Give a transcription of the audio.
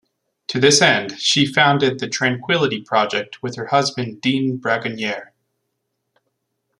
To this end, she founded "The Tranquility Project" with her husband Dean Bragonier.